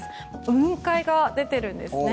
雲海が出ているんですね。